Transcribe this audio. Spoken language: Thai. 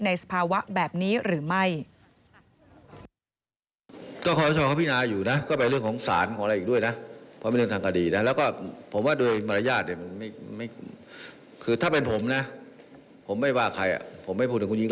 สภาวะแบบนี้หรือไม่